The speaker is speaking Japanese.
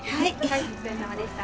お疲れさまでした。